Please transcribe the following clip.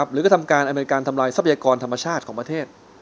หรือกระทำการอำนวยการทำลายทรัพยากรธรรมชาติของประเทศ